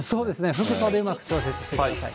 服装でうまく調節してください。